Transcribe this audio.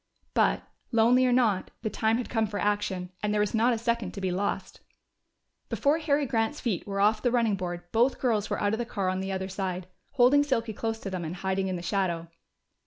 But, lonely or not, the time had come for action, and there was not a second to be lost. Before Harry Grant's feet were off the running board both girls were out of the car on the other side, holding Silky close to them and hiding in the shadow.